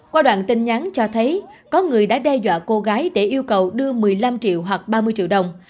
qua đoạn tin nhắn cho thấy có người đã đe dọa cô gái để yêu cầu đưa một mươi năm triệu hoặc ba mươi triệu đồng